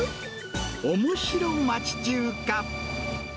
おもしろ町中華。